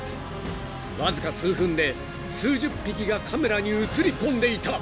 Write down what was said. ［わずか数分で数十匹がカメラにうつり込んでいた］